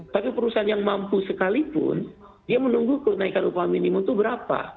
tapi perusahaan yang mampu sekalipun dia menunggu kenaikan upah minimum itu berapa